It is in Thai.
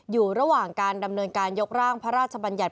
อยู่ระหว่างการดำเนินการยกร่างพระราชบัญญัติ